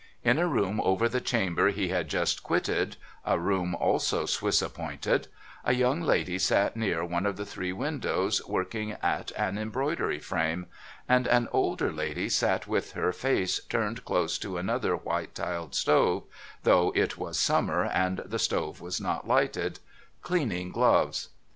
In a room over the chamber he had just quitted — a room also Swiss appointed — a young lady sat near one of three windows, working at an embroidery frame ; and an older lady sat with her face turned close to another white tiled stove (though it was summer, and the stove was not lighted), cleaning gloves.